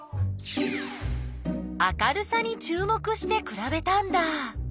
明るさにちゅう目してくらべたんだ。